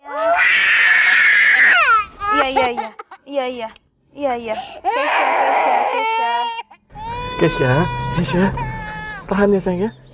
bagaimana aku bisa ke tempat tamamward selamat malam